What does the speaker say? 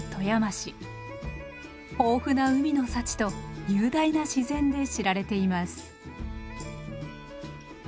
豊富な海の幸と雄大な自然で知られています。